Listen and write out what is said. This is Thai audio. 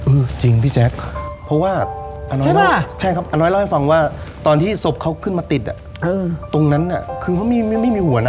เออจริงพี่แจ๊คเพราะว่าอาณ้อยเล่าให้ฟังว่าตอนที่ศพเขาขึ้นมาติดอ่ะตรงนั้นคือมันไม่มีหัวนะ